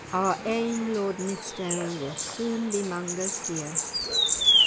"Our ain Lord Nithsdale Will soon be 'mang us here.